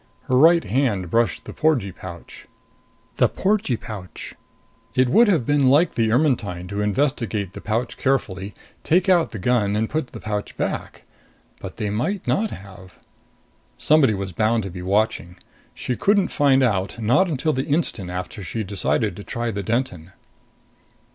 Her right hand brushed the porgee pouch. The porgee pouch. It would have been like the Ermetyne to investigate the pouch carefully, take out the gun and put the pouch back. But they might not have. Somebody was bound to be watching. She couldn't find out not until the instant after she decided to try the Denton.